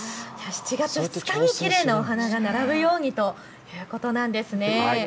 ７月２日にきれいな花が並ぶようにということなんですね。